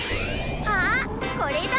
あっこれだ！